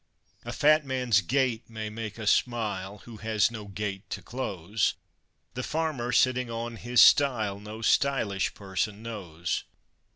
A fat man's gait may make us smile, who has no gate to close; The farmer, sitting on his stile no _sty_lish person knows.